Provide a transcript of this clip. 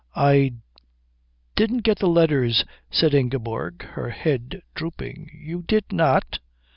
"I didn't get the letters," said Ingeborg, her head drooping. "You did not?